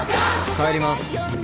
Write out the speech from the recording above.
帰ります。